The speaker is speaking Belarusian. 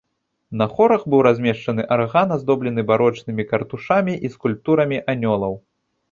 На хорах быў размешчаны арган аздоблены барочнымі картушамі і скульптурамі анёлаў.